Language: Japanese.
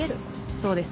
そうです。